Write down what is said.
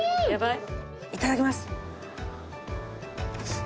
いただきます。